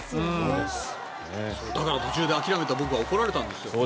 だから途中で諦めた僕は怒られたんですよ。